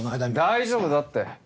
大丈夫だって！